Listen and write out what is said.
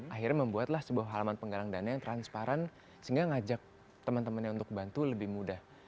akhirnya membuatlah sebuah halaman penggalang dana yang transparan sehingga ngajak teman temannya untuk bantu lebih mudah